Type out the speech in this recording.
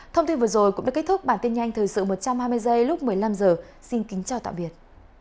thông tin vừa rồi cũng đã kết thúc bản tin nhanh thời sự một trăm hai mươi giây lúc một mươi năm h xin kính chào tạm biệt